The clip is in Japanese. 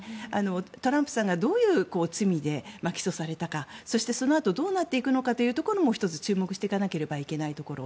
トランプさんがどういう罪で起訴されたかそして、そのあとどうなっていくのかというところも１つ注目していかなければいけないところ。